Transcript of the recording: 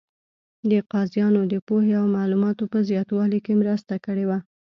د قاضیانو د پوهې او معلوماتو په زیاتوالي کې مرسته کړې وه.